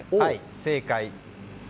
正解。